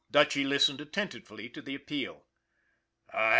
Dutchy listened attentively to the appeal.